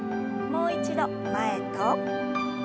もう一度前と。